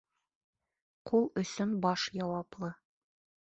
Ҡул өсөн баш яуаплы.